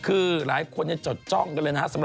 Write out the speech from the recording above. คือหลายคนเนี่ยจดจ้องกันเลยนะ